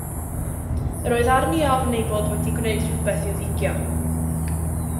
Yr oedd arni ofn ei bod wedi gwneud rhywbeth i'w ddigio.